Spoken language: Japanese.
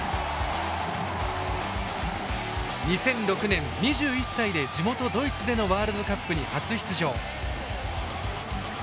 ２００６年２１歳で地元ドイツでのワールドカップに初出場。